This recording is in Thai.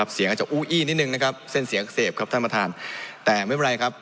เส้นเสียอักเสบครับท่านประธานแต่ไม่เป็นไรครับ